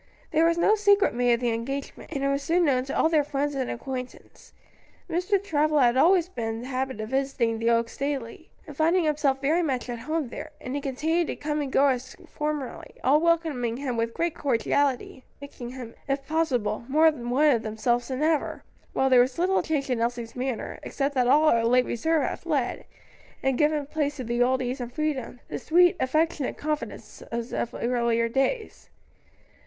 There was no secret made of the engagement, and it was soon known to all their friends and acquaintance. Mr. Travilla had always been in the habit of visiting the Oaks daily, and finding himself very much at home there; and he continued to come and go as formerly, all welcoming him with great cordiality, making him, if possible, more one of themselves than ever, while there was little change in Elsie's manner, except that all her late reserve had fled, and given place to the old ease and freedom, the sweet, affectionate confidences of earlier days.